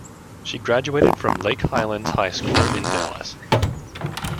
She graduated from Lake Highlands High School in Dallas.